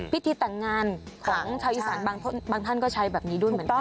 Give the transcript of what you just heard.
พิธีแต่งงานของชาวอีสานบางท่านก็ใช้แบบนี้ด้วยเหมือนกัน